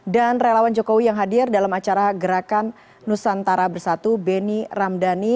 dan relawan jokowi yang hadir dalam acara gerakan nusantara bersatu benny ramdhani